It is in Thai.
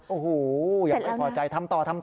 โอ้โหยังไม่พอใจทำต่อทำต่อ